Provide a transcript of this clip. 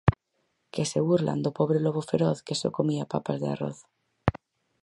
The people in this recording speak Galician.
Que se burlan do pobre lobo feroz que só comía papas de arroz.